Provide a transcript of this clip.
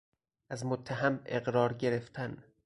از متهم اقرار گرفتن